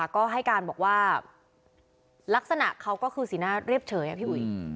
ก็ให้การบอกว่าลักษณะเขาก็คือสิน่าเรียบเฉย